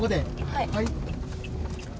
はい。